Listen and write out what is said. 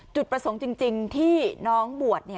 จุดประสงค์จริงที่น้องบวช